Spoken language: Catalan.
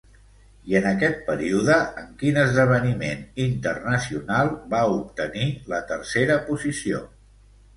I en aquest període, en quin esdeveniment internacional va obtenir la tercera posició?